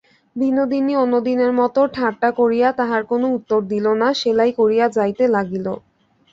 বিনোদিনী অন্যদিনের মতো ঠাট্টা করিয়া তাহার কোনো উত্তর দিল না–সেলাই করিয়া যাইতে লাগিল।